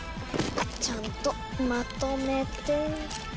ちゃんとまとめて。